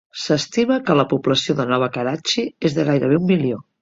S'estima que la població de Nova Karachi és de gairebé un milió.